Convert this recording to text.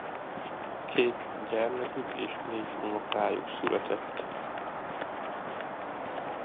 Két gyermekük és négy unokájuk született.